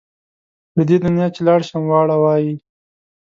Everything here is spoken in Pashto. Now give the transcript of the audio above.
له دې دنیا چې لاړ شم واړه وایي.